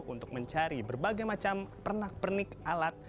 untuk mencari berbagai macam pernak pernik alat